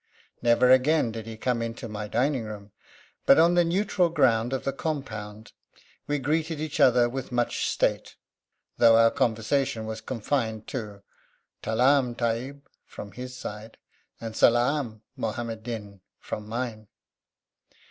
Never again did he come into my dining room, but on the neutral ground of the garden we greeted each other with much state, though our conversation was confined to 'Talaam, Tahib' from his side, and 'Salaam, Muhammad Din' from mine.